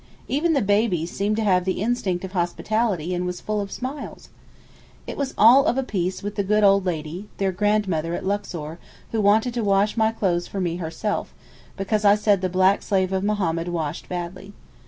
Even the baby seemed to have the instinct of hospitality, and was full of smiles. It was all of a piece with the good old lady, their grandmother at Luxor, who wanted to wash my clothes for me herself, because I said the black slave of Mohammed washed badly.